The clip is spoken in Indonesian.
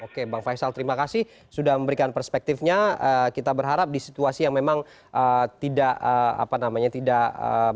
oke bang faisal terima kasih sudah memberikan perspektifnya kita berharap di situasi yang memang tidak apa namanya tidak